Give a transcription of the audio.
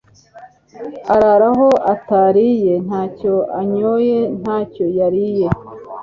arara aho atariye, nta cyo anyoye, nta cyo yariye